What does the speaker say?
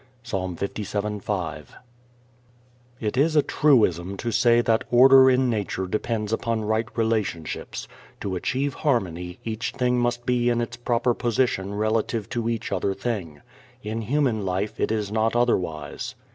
Psa. 57:5 It is a truism to say that order in nature depends upon right relationships; to achieve harmony each thing must be in its proper position relative to each other thing. In human life it is not otherwise.